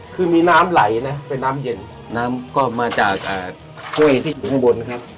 คือมีน้ำไหลนะเป็นน้ำเย็นน้ำก็มาจากห้วยที่อยู่ข้างบนครับ